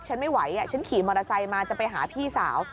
ฉันไม่ไหวฉันขี่มอเตอร์ไซค์มาจะไปหาพี่สาว